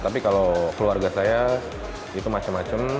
tapi kalau keluarga saya itu macam macam